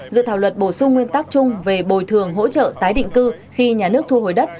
dự thảo luật bổ sung nguyên tắc chung về bồi thường hỗ trợ tái định cư khi nhà nước thu hồi đất